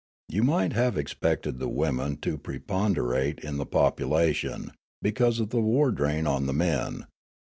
You might have expected the women to preponderate in the popu lation, because of the war drain on the men.